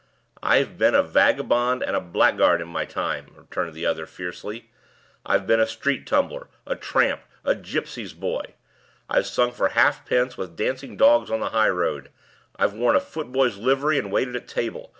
"I've been a vagabond and a blackguard in my time," returned the other, fiercely; "I've been a street tumbler, a tramp, a gypsy's boy! I've sung for half pence with dancing dogs on the high road! I've worn a foot boy's livery, and waited at table!